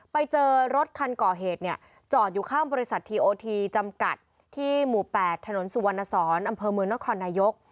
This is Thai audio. ไปเจอรถคันก่อเหตุเนี่ยจอดอยู่ข้างบริษัททีโอทีจำกัดที่หมู่๘ถนนสุวรรณสอนอำเภอเมืองนครนายก